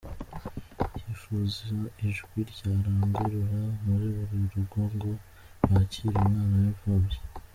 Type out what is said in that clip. Yifuza ijwi ryarangurura muri buri rugo ngo bakire umwana w’imfubyi.